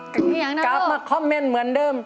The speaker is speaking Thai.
กระเนียงนะลูกกรับมาคอมเมนต์เหมือนเดิม